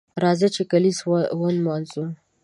راځه چې کالیزه ونمانځو